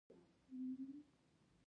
سي او سه پل په اصفهان کې دی.